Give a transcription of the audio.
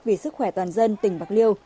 vì sức khỏe toàn dân tỉnh bạc liêu